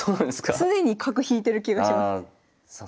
常に角引いてる気がします。